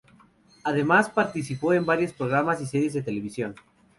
Además, participó en varios programas y series de televisión.